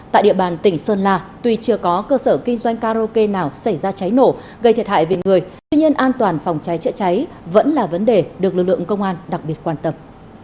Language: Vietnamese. tại địa bàn tỉnh sơn la tuy chưa có cơ sở kinh doanh karaoke nào xảy ra cháy nổ gây thiệt hại về người tuy nhiên an toàn phòng cháy chữa cháy vẫn là vấn đề được lực lượng công an đặc biệt quan tâm